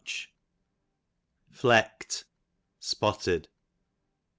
Fleekt, spotted.